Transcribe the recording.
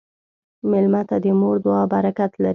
مېلمه ته د مور دعا برکت لري.